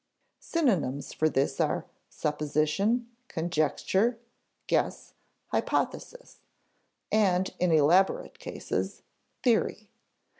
Synonyms for this are supposition, conjecture, guess, hypothesis, and (in elaborate cases) theory.